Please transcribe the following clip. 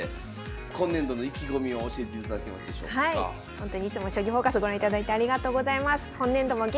ほんとにいつも「将棋フォーカス」ご覧いただいてありがとうございます。